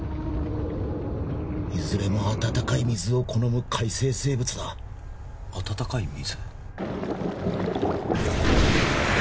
いずれも温かい水を好む海生生物だ温かい水？